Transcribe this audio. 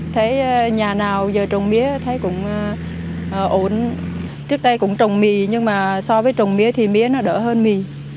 thấy nhà nào giờ trồng mía thấy cũng ổn trước đây cũng trồng mì nhưng mà so với trồng mía thì mía nó đỡ hơn mì